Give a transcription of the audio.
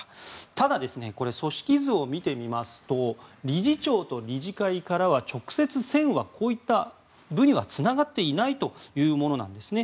ただ、組織図を見てみますと理事長と理事会からは直接、線はこういった部にはつながっていないというものなんですね。